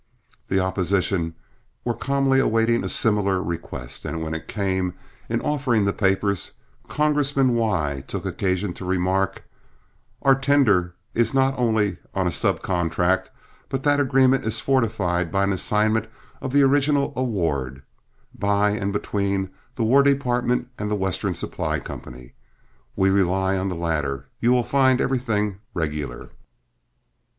The opposition were calmly awaiting a similar request, and when it came, in offering the papers, Congressman Y took occasion to remark: "Our tender is not only on a sub contract, but that agreement is fortified by an assignment of the original award, by and between the War Department and The Western Supply Company. We rely on the latter; you will find everything regular."